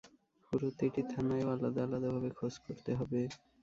প্রতিটি থানায়ও আলাদা-আলাদাভাবে খোঁজ করতে হবে।